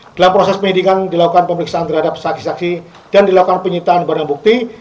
setelah proses penyidikan dilakukan pemeriksaan terhadap saksi saksi dan dilakukan penyitaan barang bukti